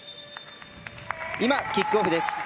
今、キックオフです。